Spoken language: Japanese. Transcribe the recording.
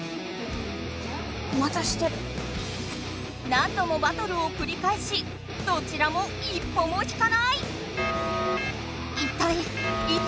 何度もバトルをくりかえしどちらも一歩も引かない。